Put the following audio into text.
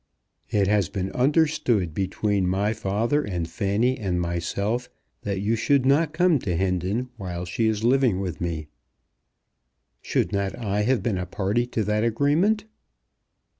"It has been understood between my father and Fanny and myself that you should not come to Hendon while she is living with me." "Should not I have been a party to that agreement?"